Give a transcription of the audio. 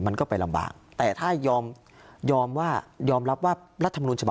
มันก็ไปลำบากแต่ถ้ายอมว่ายอมรับว่ารัฐมนุนฉบับ